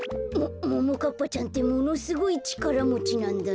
もももかっぱちゃんってものすごいちからもちなんだね。